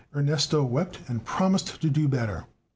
Ernesto wept and promised to do better.